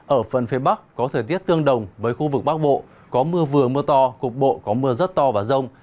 ở phần phía bắc có thời tiết tương đồng với khu vực bắc bộ có mưa vừa mưa to cục bộ có mưa rất to và rông